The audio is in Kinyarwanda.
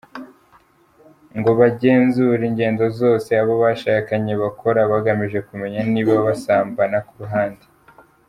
ngo bagenzure ingendo zose abo bashakanye bakora bagamije kumenya niba basambana ku ruhande.